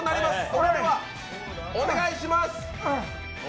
それでは、お願いします。